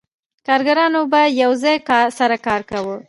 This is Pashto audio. کارګرانو به یو ځای کار سره کاوه